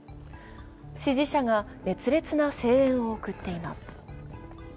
支持者が熱烈な声援を送っています。